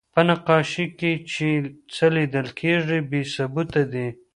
په نقاشۍ کې چې څه لیدل کېږي، بې ثبوته دي.